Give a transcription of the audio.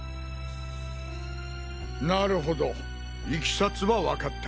なるほどいきさつはわかった。